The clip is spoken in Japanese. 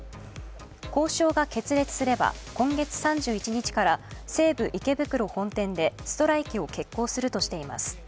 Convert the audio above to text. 交渉が決裂すれば今月３１日から西武池袋本店でストライキを決行するとしています。